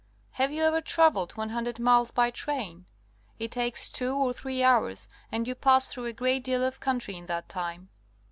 Have you ever travelled 100 miles bj' train? It takes two or three hours, and }'ou pass through a great deal of country in that time.